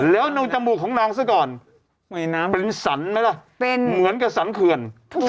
แล้วดูจมูกของนางซะก่อนเป็นสรรไหมล่ะเป็นเหมือนกับสรรเขื่อน